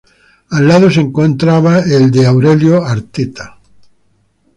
Al lado se encontraba el de Aurelio Arteta.